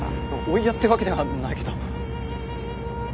お嫌ってわけではないけど。